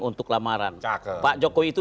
untuk lamaran pak jokowi itu